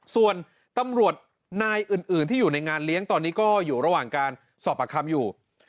ส่วนตำรวจนายอื่นที่อยู่ในงานเลี้ยงตอนนี้ก็อยู่ระหว่างการสอบปากคำอยู่